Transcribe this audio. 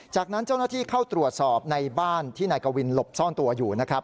จากนั้นเจ้าหน้าที่เข้าตรวจสอบในบ้านที่นายกวินหลบซ่อนตัวอยู่นะครับ